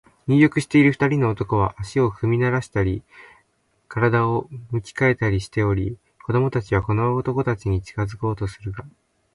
入浴している二人の男は、足を踏みならしたり、身体を向き変えたりしており、子供たちはこの男たちに近づこうとするが、